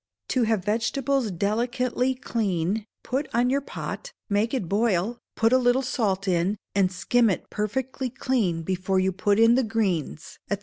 To have vegetables delicately clean, put on your pot, make it boil, put a little salt in, and skim it perfectly clean before you put in the greens, &c.